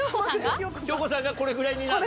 京子さんがこれぐらいになるの？